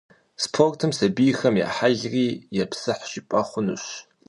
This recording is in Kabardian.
Спортым сабийхэм я хьэлри епсыхь жыпӀэ хъунущ.